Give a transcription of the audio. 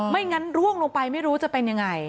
งั้นร่วงลงไปไม่รู้จะเป็นยังไง